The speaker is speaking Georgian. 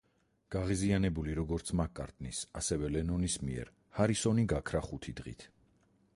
გაღიზიანებული როგორც მაკ-კარტნის, ასევე ლენონის მიერ, ჰარისონი გაქრა ხუთი დღით.